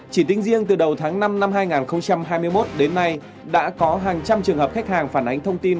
chỉ tính riêng từ đầu tháng năm năm hai nghìn hai mươi một đến nay đã có hàng trăm trường hợp khách hàng phản ánh thông tin